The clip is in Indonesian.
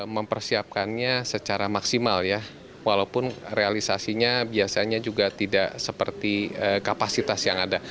mempersiapkannya secara maksimal ya walaupun realisasinya biasanya juga tidak seperti kapasitas yang ada